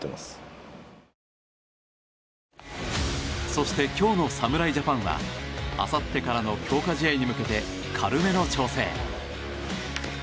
そして、今日の侍ジャパンはあさってからの強化試合に向けて軽めの調整。